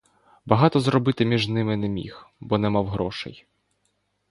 Багато зробити між ними не міг, бо не мав грошей.